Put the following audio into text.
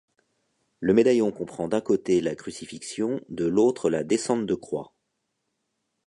Le médaillon comprend d'un côté la crucifixion, de l'autre la descente de croix.